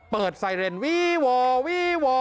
เปิดไซเรนวี่วอวี่วอ